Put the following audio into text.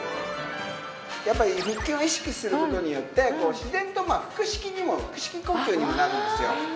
やっぱり腹筋を意識する事によって自然と腹式呼吸にもなるんですよ。